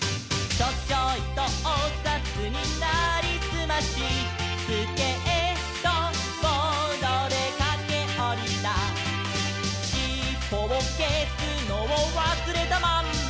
「チョチョイとおさつになりすまし」「スケートボードでかけおりた」「しっぽをけすのをわすれたまんま」